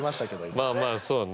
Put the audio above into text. まあまあそうね。